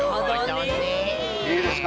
いいですか？